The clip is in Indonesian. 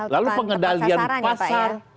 lalu pengendalian pasar